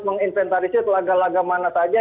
menginventarisir laga laga mana saja